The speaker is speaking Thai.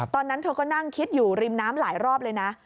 ตอนนั้นเธอก็นั่งคิดอยู่ริมน้ำหลายรอบเลยนะ